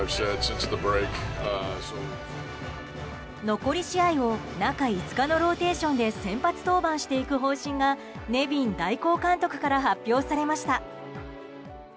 残り試合を中５日のローテーションで先発登板していく方針がネビン代行監督から発表されました。